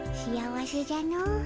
幸せじゃの。